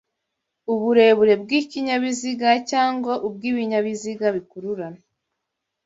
Uburebure bw'ikinyabiziga cyangwa ubw'ibinyabiziga bikururana